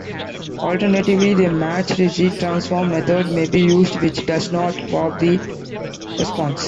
Alternatively, the Matched Z-transform method may be used, which does not warp the response.